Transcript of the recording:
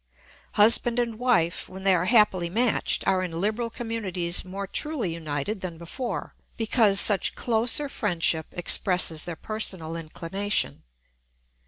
Husband and wife, when they are happily matched, are in liberal communities more truly united than before, because such closer friendship expresses their personal inclination.